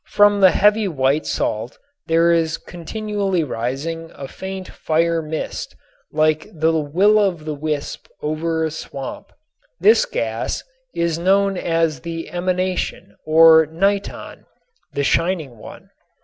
From the heavy white salt there is continually rising a faint fire mist like the will o' the wisp over a swamp. This gas is known as the emanation or niton, "the shining one."